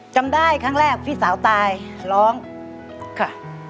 จำได้ครั้งแรกพี่สาวตายร้องค่ะ